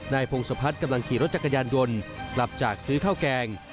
พงศพัฒน์กำลังขี่รถจักรยานยนต์กลับจากซื้อข้าวแกง